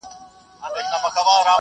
دغه ونه په خزان کي خپلي پاڼي رژوي.